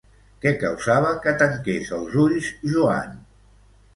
Què causava que tanqués els ulls Joan?